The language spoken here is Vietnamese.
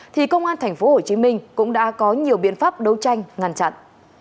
thì công an tp hcm cũng đã có nhiều biện pháp đấu tranh ngăn chặn